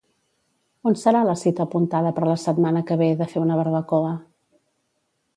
On serà la cita apuntada per la setmana que ve de fer una barbacoa?